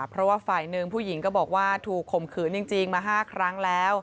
เพราะว่าฝ่ายหนึ่งผู้หญิงก็บอกว่าถูกข่มขืนจริงมา๕ครั้งแล้ว